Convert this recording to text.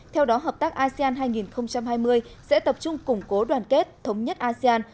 theo đó hợp tác asean hai nghìn hai mươi sẽ tập trung củng cố đoàn kết thống nhất asean